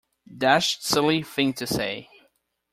Dashed silly thing to say.